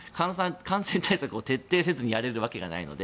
感染対策を徹底せずにやれるわけがないので。